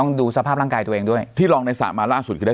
ดูสภาพร่างกายตัวเองด้วยที่ลองในสระมาล่าสุดคือได้